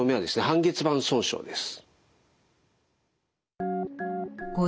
半月板損傷です。